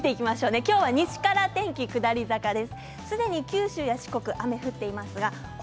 今日は西から天気は下り坂です。